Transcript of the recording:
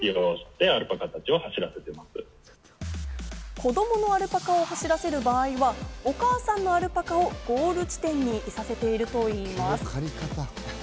子どものアルパカを走らせる場合はお母さんのアルパカをゴール地点にいさせていると言います。